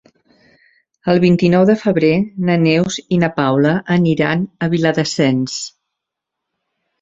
El vint-i-nou de febrer na Neus i na Paula aniran a Viladasens.